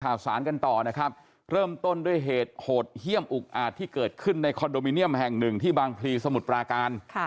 ข่าวสารกันต่อนะครับเริ่มต้นด้วยเหตุโหดเยี่ยมอุกอาจที่เกิดขึ้นในคอนโดมิเนียมแห่งหนึ่งที่บางพลีสมุทรปราการ